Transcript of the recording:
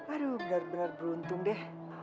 aduh benar benar beruntung deh